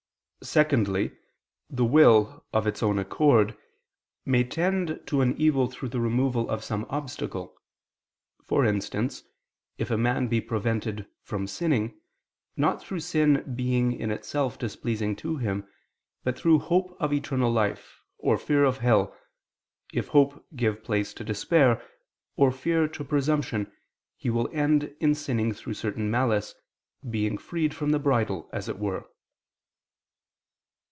Secondly, the will, of its own accord, may tend to an evil, through the removal of some obstacle: for instance, if a man be prevented from sinning, not through sin being in itself displeasing to him, but through hope of eternal life, or fear of hell, if hope give place to despair, or fear to presumption, he will end in sinning through certain malice, being freed from the bridle, as it were.